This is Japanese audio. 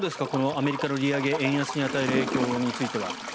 アメリカの利上げ円安に与える影響というのは。